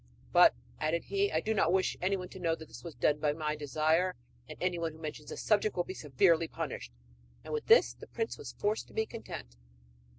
'But,' added he, 'I do not wish any one to know that this was done by my desire, and anyone who mentions the subject will be severely punished.' And with this the prince was forced to be content.